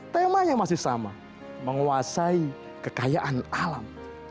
temanya masih sama menguasai kekayaan alam